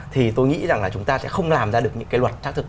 thì tôi nghĩ rằng là chúng ta sẽ không làm ra được những cái luật xác thực